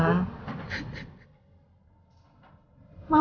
mama udah tahu